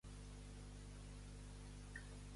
Per a què són útils aquestes festes?